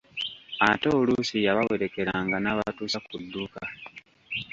Ate oluusi yabawerekeranga n'abatuusa ku dduuka.